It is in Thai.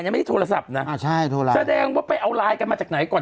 ไม่ได้โทรศัพท์นะอ่าใช่โทรไลน์แสดงว่าไปเอาไลน์กันมาจากไหนก่อน